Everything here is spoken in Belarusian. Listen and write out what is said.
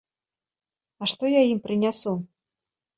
А што я ім прынясу?